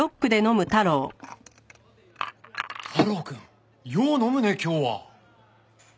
太郎くんよう飲むね今日は。